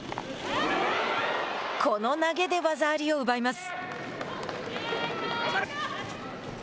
この投げで技ありを奪います。